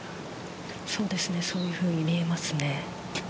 そういうふうに見えますね。